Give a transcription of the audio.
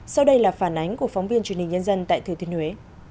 sau đây là phản ánh của phóng viên truyền hình nhân dân tại thừa thiên huế